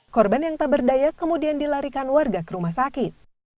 korban yang tak berdaya kemudian dilarikan warga ke rumah sakit